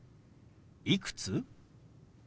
「いくつ？」。